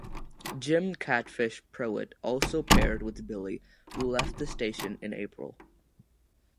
Jim "Catfish" Prewitt also paired with Billy, who left the station in April.